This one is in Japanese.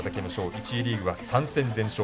１次リーグは３戦全勝。